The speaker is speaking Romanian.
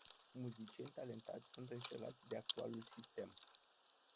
Muzicieni talentați sunt înșelați de actualul sistem.